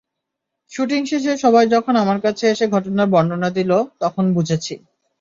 Shooting শেষে সবাই যখন আমার কাছে এসে ঘটনার বর্ণনা দিল, তখন বুঝেছি।